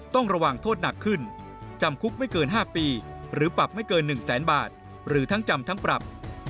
ต้องระวังโทษหนักขึ้นจำคุกไม่เกิน๕ปีหรือปรับไม่เกิน๑แสนบาทหรือทั้งจำทั้งปรับ